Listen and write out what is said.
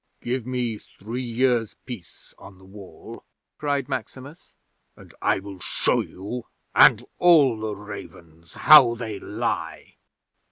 '"Give me three years' peace on the Wall," cried Maximus, "and I will show you and all the ravens how they lie!"